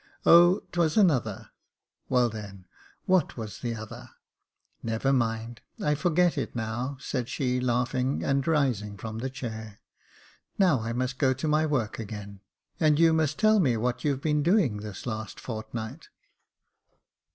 " O ! 'twas another." "Well, then, what was the other?" " Never mind, I forget it now," said she, laughing, and rising from the chair. " Now I must go to my work again, and you must tell me what you've been doing this last fortnight."